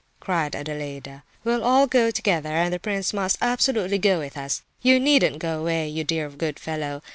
cried Adelaida. "We'll all go together, and the prince must absolutely go with us. You needn't go away, you dear good fellow!